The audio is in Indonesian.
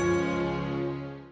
ini pake anti